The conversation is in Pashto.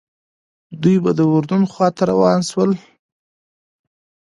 دوی به د اردن خواته روان شول.